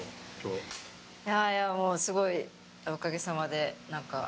いやもうすごいおかげさまで何か。